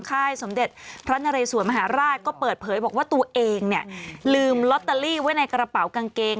ค่ายสมเด็จพระนเรสวนมหาราชก็เปิดเผยบอกว่าตัวเองเนี่ยลืมลอตเตอรี่ไว้ในกระเป๋ากางเกง